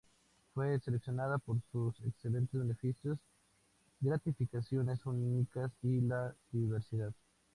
Fue seleccionada por sus excelentes beneficios, gratificaciones únicas y la diversidad.